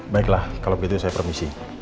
baiklah kalau begitu saya permisi